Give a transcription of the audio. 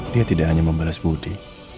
dia tidak hanya membalas budi